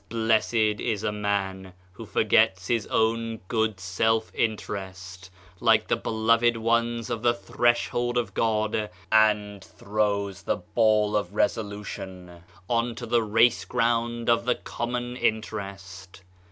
Blessed is a man who forgets his own good self ISO Digitized by Google OF CIVILIZATION interest, like the Beloved Ones of the Threshold of God, and throws the ball of resolution on to the race ground of the common interest!